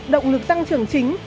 động lực tăng trưởng chính